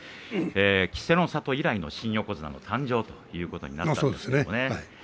稀勢の里以来の新横綱の誕生ということになるわけですね。